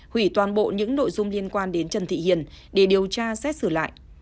hủy toàn bộ những nội dung liên quan đến trần thị hiền để điều tra xét xử lại